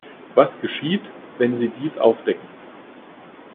Was geschieht, wenn Sie dies aufdecken?